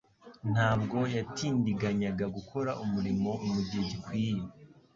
Ntabwo yatindiganyaga gukora umurimo mu gihe gikwiriye